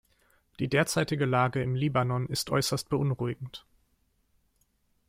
Die derzeitige Lage im Libanon ist äußerst beunruhigend.